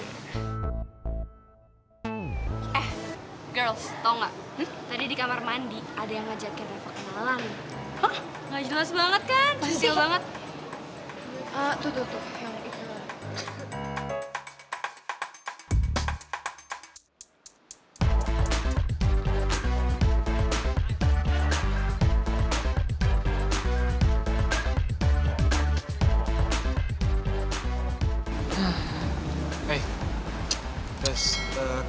eh girls tau gak